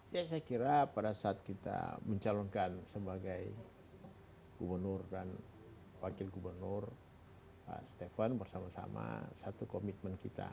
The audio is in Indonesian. ya saya kira pada saat kita mencalonkan sebagai gubernur dan wakil gubernur pak stefan bersama sama satu komitmen kita